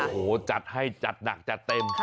โอ้โหจัดให้จัดหนักจัดเต็ม